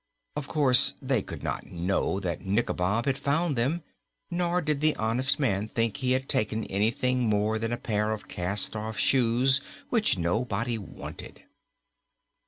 Of course, they could not know that Nikobob had found them, nor did the honest man think he had taken anything more than a pair of cast off shoes which nobody wanted.